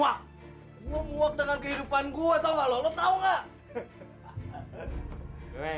kaka akan buktikan semuanya li